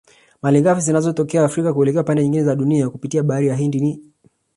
Malighafi zinazotoka Afrika kuelekea pande nyingine za Dunia kupitia bahari ya Hindi ni